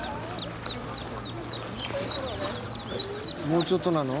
もうちょっとなの？